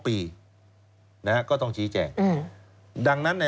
ทำความจับมั้ยคะ